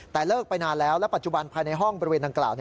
แต่เลิกไปนานแล้วและปัจจุบันภายในห้องบริเวณดังกล่าว